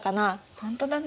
ほんとだね。